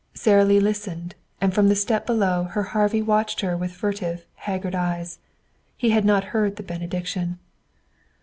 Sara Lee listened, and from the step below her Harvey watched her with furtive, haggard eyes. He had not heard the benediction.